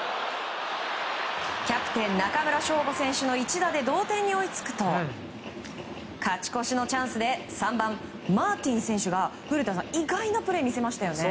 キャプテン中村奨吾選手の一打で同点に追いつくと勝ち越しのチャンスで３番、マーティン選手が意外なプレーを見せましたね。